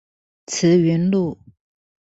慈雲路